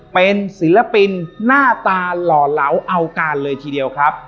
เป็นศิลปินหน้าตาหล่อเหลาเอาการเลยทีเดียวครับ